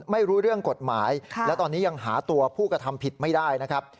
ไม่รู้เรื่องกฎหมายและตอนนี้ยังหาตัวผู้กระทำผิดไม่ได้นะครับ